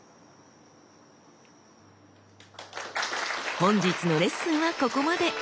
本日のレッスンはここまで。